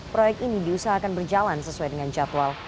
proyek ini diusahakan berjalan sesuai dengan jadwal